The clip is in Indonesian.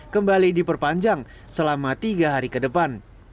kembali diperpanjang selama tiga hari ke depan